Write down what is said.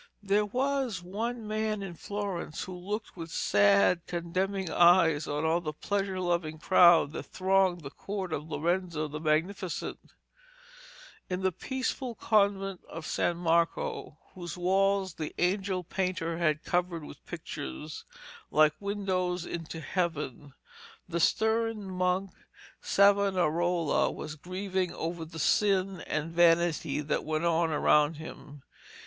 There was one man in Florence who looked with sad condemning eyes on all the pleasure loving crowd that thronged the court of Lorenzo the Magnificent. In the peaceful convent of San Marco, whose walls the angel painter had covered with pictures 'like windows into heaven,' the stern monk Savonarola was grieving over the sin and vanity that went on around him.